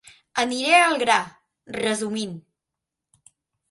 Aniré al gra, resumint